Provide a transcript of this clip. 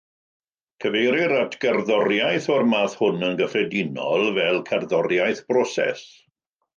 Cyfeirir at gerddoriaeth o'r math hwn yn gyffredinol fel cerddoriaeth broses.